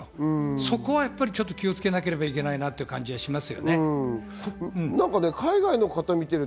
そこはちょっと気をつけなければいけないなって感じがします。